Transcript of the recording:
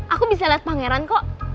aku bisa lihat pangeran kok